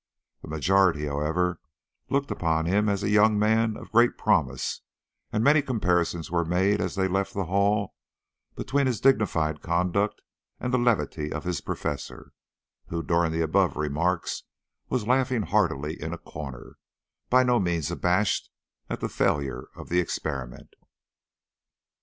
The majority, however, looked upon him as a young man of great promise, and many comparisons were made as they left the hall between his dignified conduct and the levity of his professor, who during the above remarks was laughing heartily in a corner, by no means abashed at the failure of the experiment.